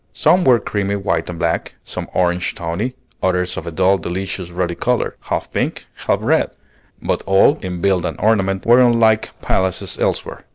Some were creamy white and black, some orange tawny, others of a dull delicious ruddy color, half pink, half red; but all, in build and ornament, were unlike palaces elsewhere.